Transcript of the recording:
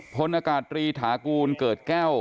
พลอากาศตรีถากูลเกิดแก้ว